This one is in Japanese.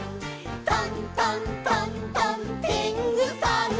「トントントントンてんぐさん」